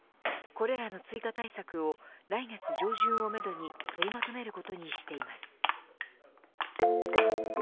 これらの追加対策を、来月上旬をめどに取りまとめることにしています。